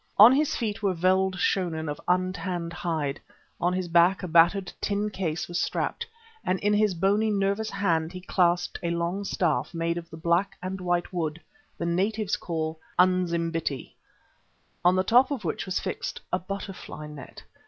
On his feet were veld schoen of untanned hide, on his back a battered tin case was strapped, and in his bony, nervous hand he clasped a long staff made of the black and white wood the natives call unzimbiti, on the top of which was fixed a butterfly net.